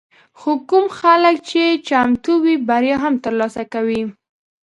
خو کوم خلک چې چمتو وي، بریا هم ترلاسه کوي.